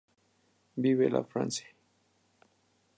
Vive la France!